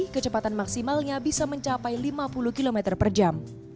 kecepatan maksimalnya bisa mencapai lima puluh km per jam